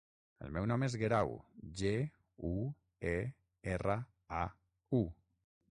El meu nom és Guerau: ge, u, e, erra, a, u.